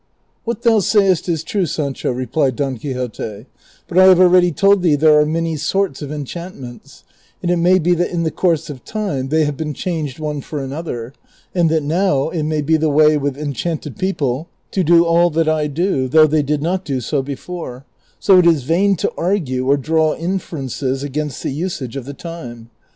" What thou sayest is true, Sancho," replied Don Quixote ;'' but I have already told thee there are many sorts of enchant ments, and it may be that in the course of time they have been changed one for another, and that now it may be the way with enchanted people to do all that I do, though they did not do so before ; so it is vain to argue or draw inferences against the usage of the time.